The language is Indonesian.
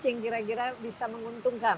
yang kira kira bisa menguntungkan